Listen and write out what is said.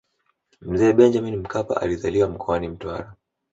mzee benjamini mkapa alizaliwa mkoani mtwara